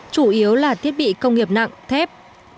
chủ yếu là thiết bị công nghiệp nặng thép